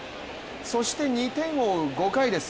そして２点を追う５回です。